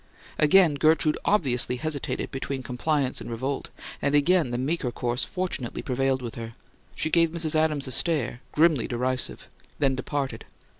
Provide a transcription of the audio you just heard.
Again Gertrude obviously hesitated between compliance and revolt, and again the meeker course fortunately prevailed with her. She gave Mrs. Adams a stare, grimly derisive, then departed.